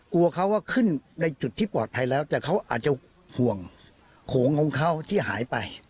กลัวเขาว่าขึ้นในจุดที่ปลอดภัยแล้วแต่เขาอาจจะห่วงโขงของเขาที่หายไป